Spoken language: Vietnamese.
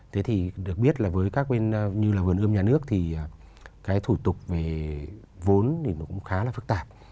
thế thì được biết là với các bên như là vườn ươm nhà nước thì cái thủ tục về vốn thì nó cũng khá là phức tạp